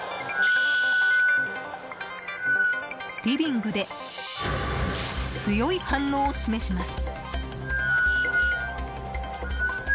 リビングで強い反応を示します。